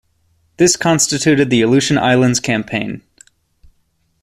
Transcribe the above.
This constituted the Aleutian Islands campaign.